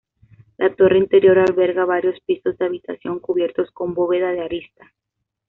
La torre interior alberga varios pisos de habitación cubiertos con bóveda de arista.